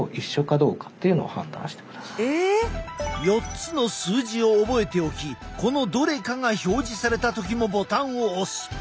４つの数字を覚えておきこのどれかが表示された時もボタンを押す。